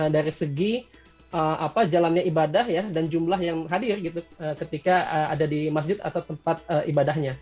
dari segi jalannya ibadah ya dan jumlah yang hadir ketika ada di masjid atau tempat ibadahnya